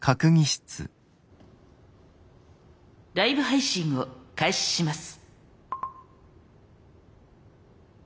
ライブ配信を開始します。